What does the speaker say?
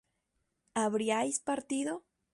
¿habríais partido?